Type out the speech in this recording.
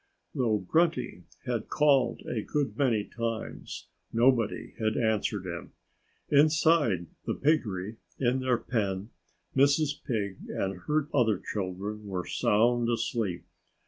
Though Grunty had called a good many times, nobody had answered him. Inside the piggery, in their pen, Mrs. Pig and her other children were sound asleep.